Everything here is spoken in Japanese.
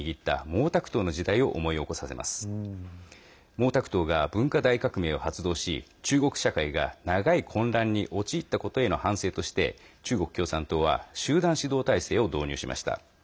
毛沢東が文化大革命を発動し中国社会が長い混乱に陥ったことへの反省として中国共産党は集団指導体制を導入しました。